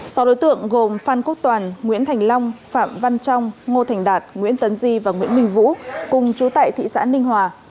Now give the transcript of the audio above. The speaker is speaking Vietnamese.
sau đối tượng gồm phan quốc toàn nguyễn thành long phạm văn trong ngô thành đạt nguyễn tấn di và nguyễn minh vũ cùng chú tại thị xã ninh hòa